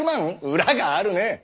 裏があるねッ！